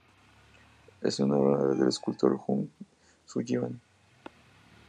Es una obra del escultor Hugh Sullivan.